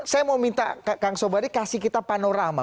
saya mau minta kang sobari kasih kita panorama